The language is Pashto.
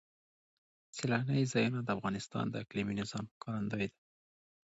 سیلانی ځایونه د افغانستان د اقلیمي نظام ښکارندوی ده.